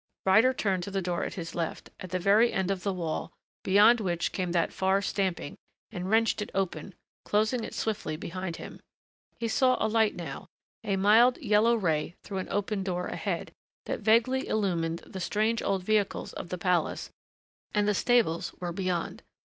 Ryder turned to the door at his left, at the very end of the wall beyond which came that far stamping, and wrenched it open, closing it swiftly behind him. He saw a light now, a mild, yellow ray through an opened door ahead that vaguely illumined the strange old vehicles of the palace, and the stables were beyond.